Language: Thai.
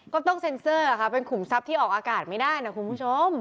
ต้องเซ็นเซอร์ค่ะเป็นขุมทรัพย์ที่ออกอากาศไม่ได้นะคุณผู้ชม